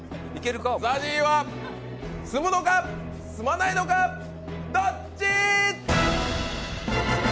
ＺＡＺＹは住むのか住まないのか、どっち！